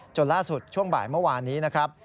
จนล่าสุดช่วงบ่ายเมื่อวานนี้นะครับ